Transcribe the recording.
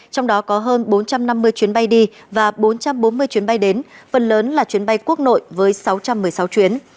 trong đó có hơn bốn trăm năm mươi chuyến bay đi và bốn trăm bốn mươi chuyến bay đến phần lớn là chuyến bay quốc nội với sáu trăm một mươi sáu chuyến